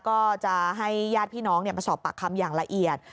ก็จะให้ญาติพี่น้องมาสอบปากคำอย่างละเอียด